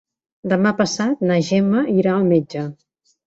Demà passat na Gemma irà al metge.